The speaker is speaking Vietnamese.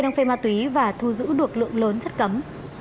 đang phê ma túy và thu giữ được lượng lớn chất cấm